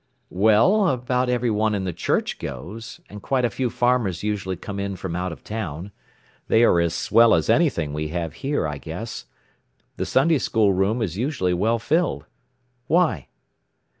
"Well, about everyone in the church goes, and quite a few farmers usually come in from out of town. They are as 'swell' as anything we have here, I guess. The Sunday school room is usually well filled. Why?"